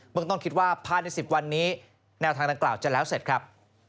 เมืองต้นคิดว่าภายใน๑๐วันนี้แนวทางดังกล่าวจะแล้วเสร็จครับ